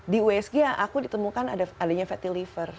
di usg aku ditemukan adanya fatty liver